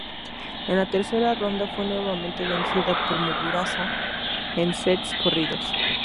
En la tercera ronda fue nuevamente vencida por Muguruza en sets corridos.